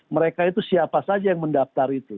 mereka itu siapa saja yang mendaftar itu